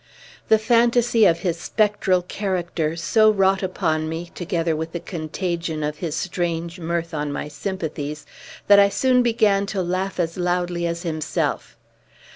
The fantasy of his spectral character so wrought upon me, together with the contagion of his strange mirth on my sympathies, that I soon began to laugh as loudly as himself.